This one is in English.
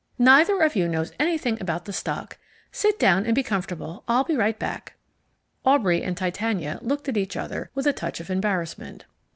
"Neither of you knows anything about the stock. Sit down and be comfortable. I'll be right back." Aubrey and Titania looked at each other with a touch of embarrassment.